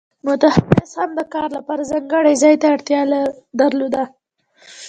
متخصص هم د کار لپاره ځانګړي ځای ته اړتیا درلوده.